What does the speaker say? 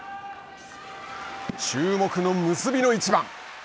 注目の結びの一番。